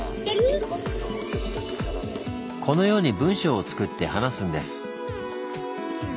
このように文章をつくって話すんです。